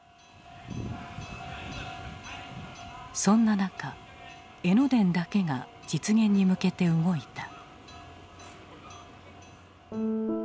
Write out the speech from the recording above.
そんな中江ノ電だけが実現に向けて動いた。